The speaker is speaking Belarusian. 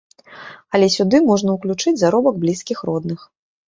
Але сюды можна ўключыць заробак блізкіх родных.